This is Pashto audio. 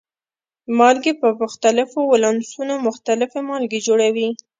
مالګې په مختلفو ولانسونو مختلفې مالګې جوړې کړي.